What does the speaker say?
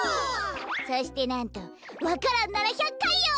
そしてなんとわか蘭なら１００かいよ！